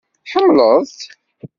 Tḥemmleḍ-tt?